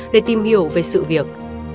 để tìm hiểu về sự việc